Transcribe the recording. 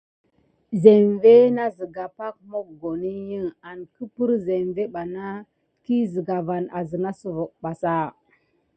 Zeŋvé iki na siga pak mokoni angəprire zeŋvé bana ki siga va asina basa bar.